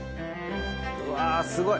うわすごい！